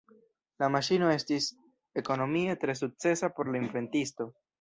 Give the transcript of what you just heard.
La maŝino estis ekonomie tre sukcesa por la inventisto.